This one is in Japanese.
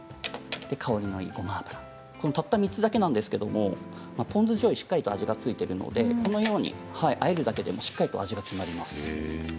香りのいいごま油たった３つだけなんですけどポン酢じょうゆしっかりと味が付いているのであえるだけでもしっかりと味が決まります。